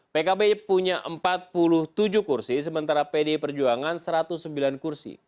pkb punya empat puluh tujuh kursi sementara pdi perjuangan satu ratus sembilan kursi